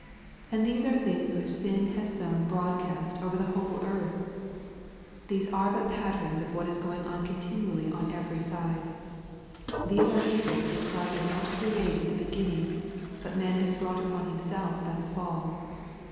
And these are things which sin has sown broad cast over the whole earth 1 These are but patterns of what is going on continually on every side* These are evils which God did not create at the beginning; but man has brought upon himself by the fall.